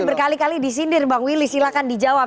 ini berkali kali disindir bang willy silahkan dijawab